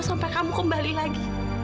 sampai kamu kembali lagi